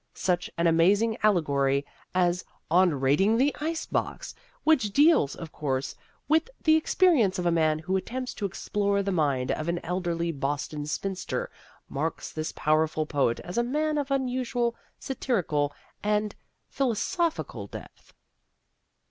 Such an amazing allegory as "On Raiding the Ice Box," which deals, of course, with the experience of a man who attempts to explore the mind of an elderly Boston spinster, marks this powerful poet as a man of unusual satirical and philosophical depth.